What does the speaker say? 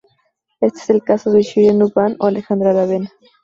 Este es el caso de Shigeru Ban o Alejandro Aravena.